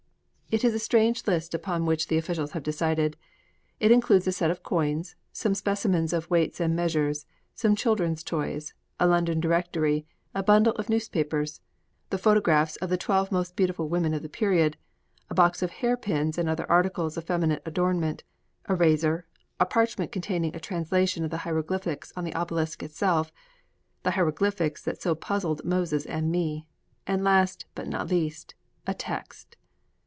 It is a strange list upon which the officials have decided. It includes a set of coins, some specimens of weights and measures, some children's toys, a London directory, a bundle of newspapers, the photographs of the twelve most beautiful women of the period, a box of hairpins and other articles of feminine adornment, a razor, a parchment containing a translation of the hieroglyphics on the obelisk itself the hieroglyphics that so puzzled Moses and me and last, but not least, _a text!